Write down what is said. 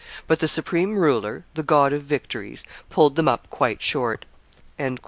... But the Supreme Ruler, the God of victories, pulled them up quite short."